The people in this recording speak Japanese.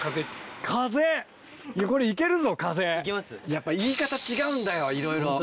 やっぱ言い方違うんだよいろいろ。